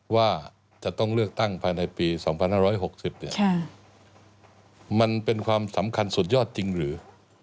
ว่าจะต้องเลือกตั้งภายในปี๒๕๖๐มันเป็นความสำคัญสุดยอดจริงหรือ